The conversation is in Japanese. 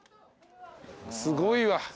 すごいわ。